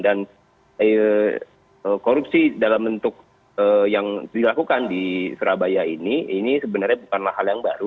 dan korupsi dalam bentuk yang dilakukan di surabaya ini ini sebenarnya bukanlah hal yang baru